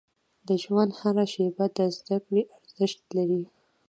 • د ژوند هره شیبه د زده کړې ارزښت لري.